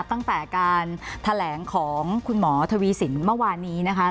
ตั้งแต่การแถลงของคุณหมอทวีสินเมื่อวานนี้นะคะ